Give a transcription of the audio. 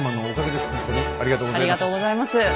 ほんとにありがとうございます。